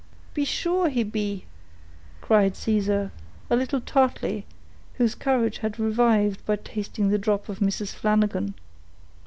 "Be sure he be," cried Caesar, a little tartly, whose courage had revived by tasting the drop of Mrs. Flanagan.